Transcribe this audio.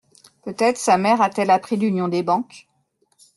Peut-être sa mère a-t-elle appris l'union des banques.